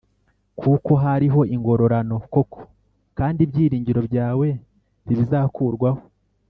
kuko hariho ingororano koko, kandi ibyiringiro byawe ntibizakurwaho